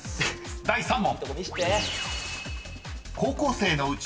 ［第３問］